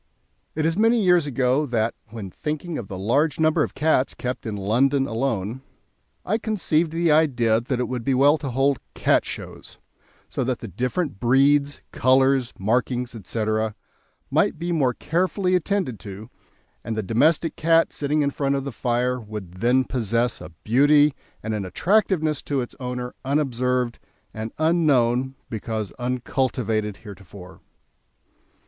It is many years ago that, when thinking of the large number of cats kept in London alone, I conceived the idea that it would be well to hold "Cat Shows," so that the different breeds, colours, markings, etc., might be more carefully attended to, and the domestic cat, sitting in front of the fire, would then possess a beauty and an attractiveness to its owner unobserved and unknown because uncultivated heretofore.